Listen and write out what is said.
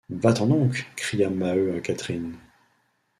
Va-t’en donc ! cria Maheu à Catherine